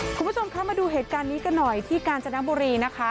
คุณผู้ชมคะมาดูเหตุการณ์นี้กันหน่อยที่กาญจนบุรีนะคะ